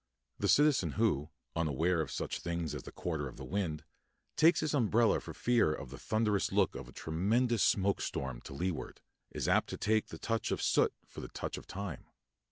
The citizen who unaware of such things as the quarter of the wind takes his umbrella for fear of the thunderous look of a tremendous smoke storm to leeward, is apt to take the touch of soot for the touch of time.